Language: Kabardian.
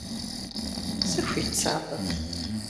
Сыхуит сэ абы?